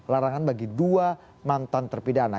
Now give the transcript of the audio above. larangan bagi dua mantan terpidana